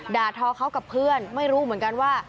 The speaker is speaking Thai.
ด่าทอเขากับเพื่อนไม่รู้เหมือนกันว่า